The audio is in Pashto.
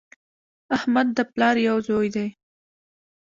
احمد د پلار یو زوی دی